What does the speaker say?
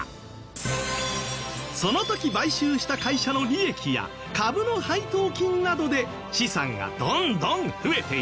その時買収した会社の利益や株の配当金などで資産がどんどん増えている。